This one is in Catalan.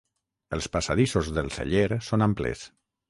Els passadissos del celler són amples.